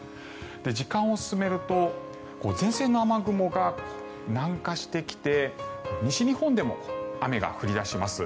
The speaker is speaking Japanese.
時間を進めると前線の雨雲が南下してきて西日本でも雨が降り出します。